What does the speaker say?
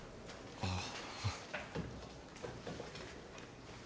ああ。